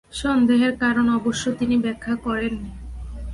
সন্দেহের কারণ অবশ্য তিনি ব্যাখ্যা করেননি।